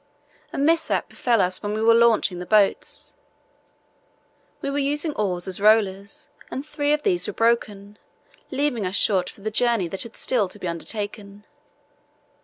A mishap befell us when we were launching the boats. We were using oars as rollers, and three of these were broken, leaving us short for the journey that had still to be undertaken.